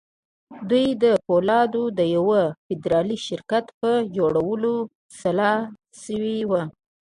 دوی د پولادو د يوه فدرالي شرکت پر جوړولو سلا شوي وو.